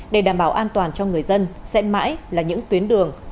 để đảm bảo an toàn cho người dân sẽ mãi là những tuyến đường